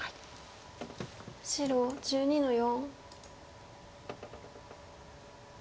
白１２の四。